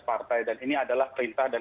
partai dan ini adalah perintah dan